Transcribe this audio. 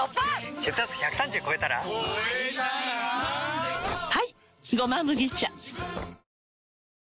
血圧１３０超えたら超えたらはい「胡麻麦茶」